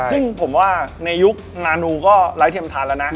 ซึ่งผมว่าในยุคนานูก็ไร้เทียมทานแล้วนะ